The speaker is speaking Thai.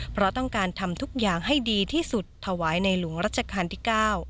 เพราะต้องการทำทุกอย่างให้ดีที่สุดถวายในหลวงรัชกาลที่๙